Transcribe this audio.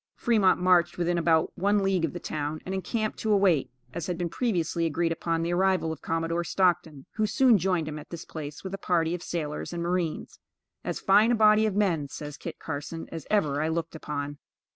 Fremont marched within about one league of the town, and encamped to await, as had been previously agreed upon, the arrival of Commodore Stockton, who soon joined him at this place with a party of sailors and marines, "As fine a body of men," says Kit Carson, "as ever I looked upon."